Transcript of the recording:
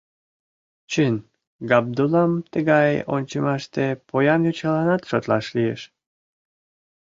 Чын, Габдуллам тыгай ончымаште поян йочаланат шотлаш лиеш.